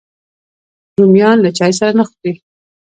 رومیان له چای سره نه خوري